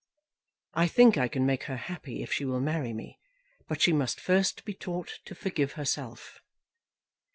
I think I can make her happy if she will marry me, but she must first be taught to forgive herself.